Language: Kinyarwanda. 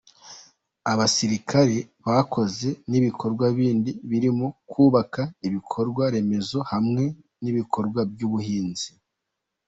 Abasirikare bakoze n’ ibikorwa bindi birimo kubaka ibikorwa remezo hamwe n’ibikorwa by’ubuhinzi.